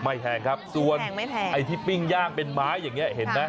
ไม่แข็งครับส่วนที่ปิ้งย่างเป็นไม้อย่างนี้